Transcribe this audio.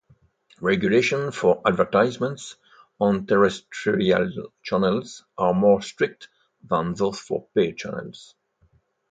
Regulations for advertisements on terrestrial channels are more strict than those for pay channels.